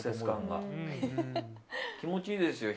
気持ちいいですよ